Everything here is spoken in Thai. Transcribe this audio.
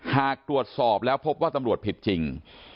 หากตรวจสอบแล้วพบว่าตำรวจผิดจริง